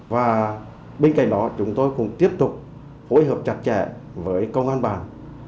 và bên cạnh đó chúng tôi cũng tiếp tục phối hợp chặt chẽ với công an bàn